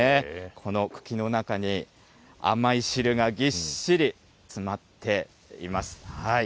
この茎の中に甘い汁がぎっしり詰まっています。